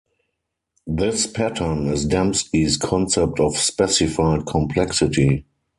This pattern is Dembski's concept of specified complexity.